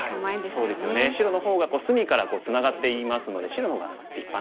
そうですよね白の方が隅からツナがっていますので白の方が立派なんですよ。